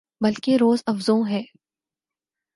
بلکہ روزافزوں ہے